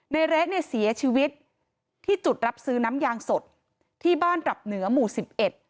เละเนี่ยเสียชีวิตที่จุดรับซื้อน้ำยางสดที่บ้านตรับเหนือหมู่สิบเอ็ด